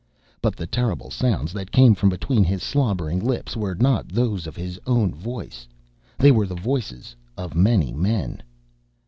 But the terrible sounds that came from between his slobbering lips were not those of his own voice, they were the voices of many men.